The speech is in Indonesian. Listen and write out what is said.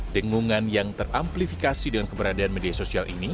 dengungan yang teramplifikasi dengan keberadaan media sosial ini